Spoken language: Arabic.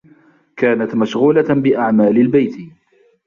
كانت مشغولة بأعمال البيت.